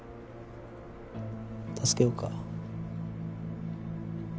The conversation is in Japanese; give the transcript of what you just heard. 助けようか？